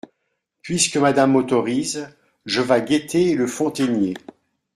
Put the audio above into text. Puisque Madame m’autorise… je vas guetter le fontainier.